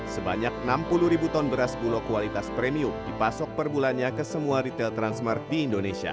sebanyak enam puluh ribu ton beras bulog kualitas premium dipasok per bulannya ke semua retail transmart di indonesia